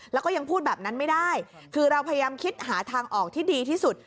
แล้วก็ยังพูดแบบนั้นไม่ได้คือเราพยายามคิดหาทางออกที่ดีที่สุด